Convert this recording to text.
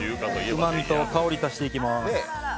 うまみと香りを足していきます。